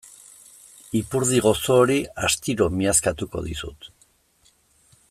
Ipurdi gozo hori astiro miazkatuko dizut.